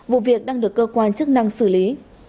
vụ việc đang được cơ quan chức năng xử lý